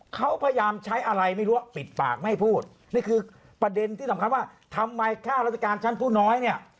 เขาพยายามใช้อะไรไม่รู้ว่าปิดปากไม่พูดนี่คือประเด็นที่สำคัญว่าทำไมข้าราชการชั้นผู้น้อยเนี่ย